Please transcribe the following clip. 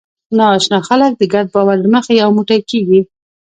ناآشنا خلک د ګډ باور له مخې یو موټی کېږي.